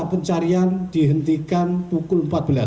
pencarian dihentikan pukul empat belas